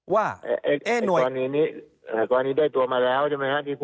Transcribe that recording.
ว่าหน่วยนี้กรณีได้ตัวมาแล้วใช่ไหมครับ